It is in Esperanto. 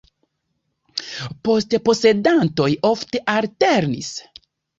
Poste posedantoj ofte alternis.